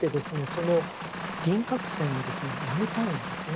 その輪郭線をやめちゃうんですね。